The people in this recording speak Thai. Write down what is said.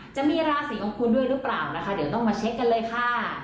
จะมีราศีของคุณด้วยหรือเปล่านะคะเดี๋ยวต้องมาเช็คกันเลยค่ะ